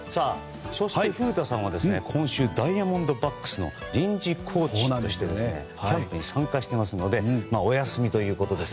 古田さんは今週ダイヤモンドバックスの臨時コーチとしてキャンプに参加していますのでお休みということです。